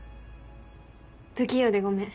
不器用でごめん。